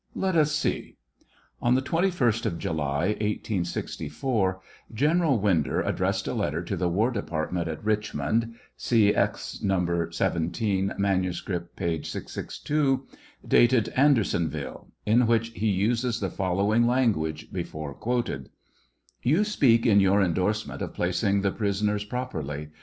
Let us see. ■ On the 21st of July, 1864, General Winder addressed a letter to the war department at Richmond, (see Ex. No. 17 ; manuscript, p. 662,) dated AndersonviUe, in which he uses the following language before quoted : You speak in your indorsement of placing the prisoners properly..